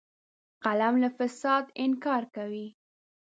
قلم له فساده انکار کوي